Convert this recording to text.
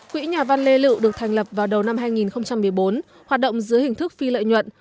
quỹ nhà văn lê lự được thành lập vào đầu năm hai nghìn một mươi bốn hoạt động dưới hình thức phi lợi nhuận